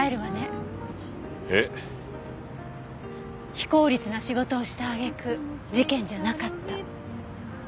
非効率な仕事をした揚げ句事件じゃなかった。